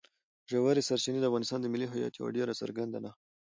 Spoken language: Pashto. ژورې سرچینې د افغانستان د ملي هویت یوه ډېره څرګنده نښه ده.